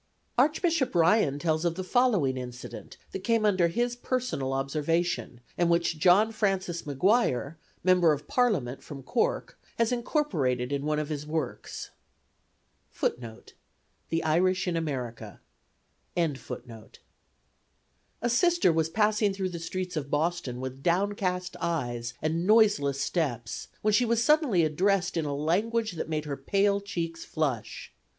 Archbishop Ryan tells the following incident that came under his personal observation, and which John Francis Maguire, Member of Parliament from Cork, has incorporated in one of his works: "A Sister was passing through the streets of Boston with downcast eyes and noiseless steps when she was suddenly addressed in a language that made her pale cheeks flush.